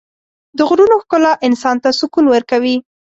د غرونو ښکلا انسان ته سکون ورکوي.